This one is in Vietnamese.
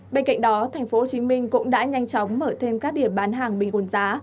bên cạnh đó tp hcm cũng đã nhanh chóng mở thêm các điểm bán hàng bình ổn giá